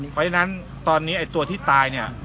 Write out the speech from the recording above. เพราะฉะนั้นตอนนี้ไอ้ตัวที่ตายเนี่ย